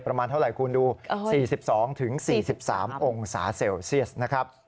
ประมาณเท่าไหร่คุณดู๔๒๔๓องศาเซลเซียสนะครับ